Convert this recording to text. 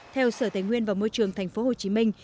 theo sở tài nguyên và môi trường thành phố hồ chí minh